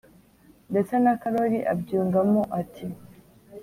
Ndetse na karori abyungamo ati